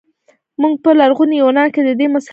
موږ په لرغوني یونان کې د دې مثال وینو.